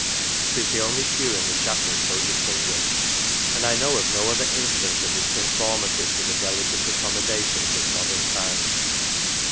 It is the only pew in the chapel so distinguished ; and I know of no other instance of his conformity to the delicate accommoda tions of modern times.